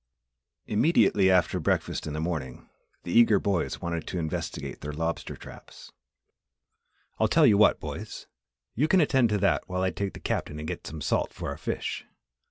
Immediately after breakfast in the morning, the eager boys wanted to investigate their lobster traps. "I'll tell you what, boys! You can attend to that while I take the Captain and get some salt for our fish.